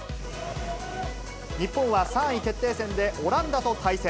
日本は３位決定戦でオランダと対戦。